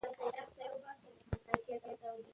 انرژي ارزانه ده.